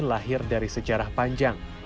lahir dari sejarah panjang